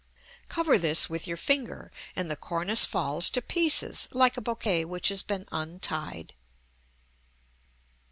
Cover this with your finger, and the cornice falls to pieces, like a bouquet which has been untied.